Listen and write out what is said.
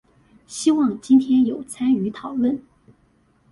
希望今天有參與討論